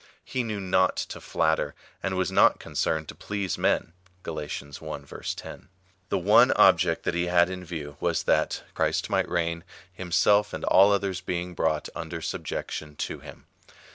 He knew not to flatter, and was not concerned to please men. (Gal. i. 10.) The one object that he had in view was, that Christ might reign, himself and all others being brought under subjection to him.